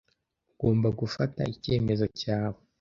Ugomba gufata icyemezo cyawe.